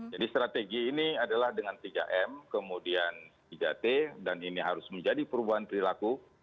jadi strategi ini adalah dengan tiga m kemudian tiga t dan ini harus menjadi perubahan perilaku